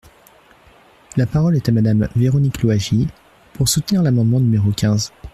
La parole est à Madame Véronique Louwagie, pour soutenir l’amendement numéro quinze.